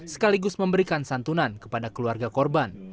sekaligus memberikan santunan kepada keluarga korban